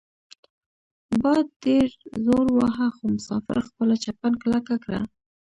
باد ډیر زور وواهه خو مسافر خپله چپن کلکه کړه.